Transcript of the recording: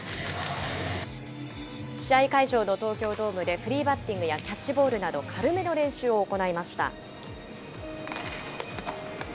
試合会場の東京ドームで、フリーバッティングやキャッチボールなど、軽めの練習を行いました。